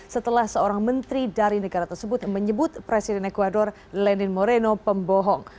setelah seorang menteri dari negara tersebut menyebut presiden ecuador lendin moreno pembohong